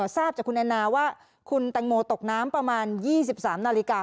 ทราบจากคุณแอนนาว่าคุณแตงโมตกน้ำประมาณ๒๓นาฬิกา